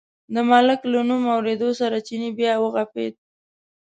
د ملک له نوم اورېدو سره چیني بیا و غپېد.